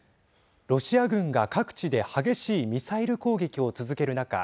ロシア軍が各地で激しいミサイル攻撃を続ける中